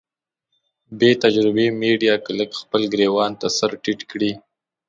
بې تجربې ميډيا که لږ خپل ګرېوان ته سر ټيټ کړي.